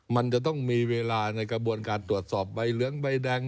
มันจะต้องมีเวลาในกระบวนการตรวจสอบใบเหลืองใบแดง